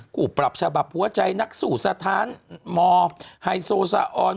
ผู้ปรับฉบับหัวใจนักสู้สถานมไฮโซซาออน